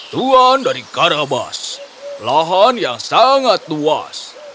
tuan dari karabas lahan yang sangat luas